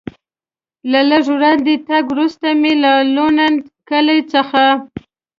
له لږ وړاندې تګ وروسته مې له لوند کلي څخه.